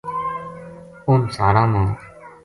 اُنھ سالاں ما